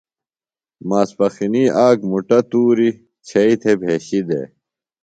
ماسپخِنی آ مُٹہ تُوریۡ چھئیۡ تھےۡ بھیشیۡ دےۡ۔